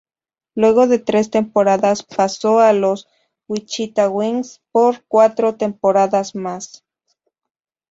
Luego de tres temporadas pasó a los Wichita Wings por cuatro temporadas más.